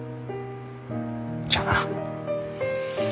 じゃあな。